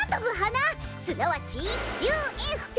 すなわちＵＦＰ！